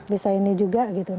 bisa ini juga